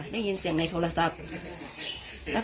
ได้ยินเสียงในโทรศัพท์